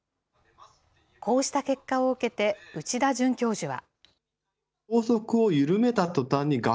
こうした結果を受けて内田准教授は。